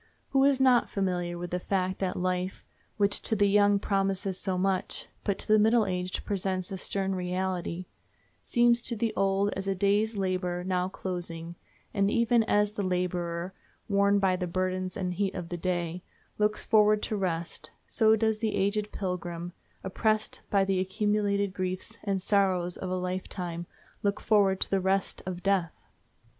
Who is not familiar with the fact that life, which to the young promises so much, but to the middle aged presents a stern reality, seems to the old as a day's labor now closing; and even as the laborer, worn by the burdens and heat of the day, looks forward to rest, so does the aged pilgrim, oppressed by the accumulated griefs and sorrows of a life time, look forward to the rest of death?